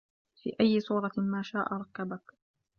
في أَيِّ صورَةٍ ما شاءَ رَكَّبَكَ